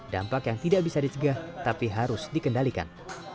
dampak yang tidak bisa dicegah tapi harus dikendalikan